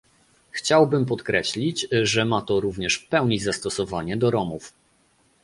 Chciałbym podkreślić, że ma to również w pełni zastosowanie do Romów